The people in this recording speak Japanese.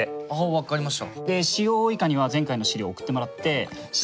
分かりました。